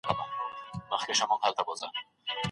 تاسو باید د مسمومیت ضد لومړني وسایل په کور کې ولرئ.